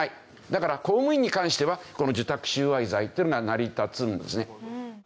だから公務員に関してはこの受託収賄罪っていうのが成り立つんですね。